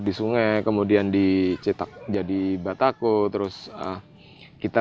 di sungai kemudian dicetak jadi batako terus kita